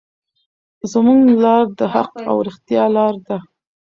زموږ لار د حق او رښتیا لار ده.